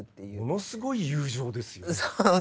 ものすごい友情ですよね。